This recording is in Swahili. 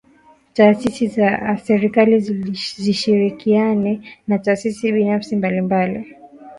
Taasisi za Serikali zishirikiane na taasisi binafsi mbalimbali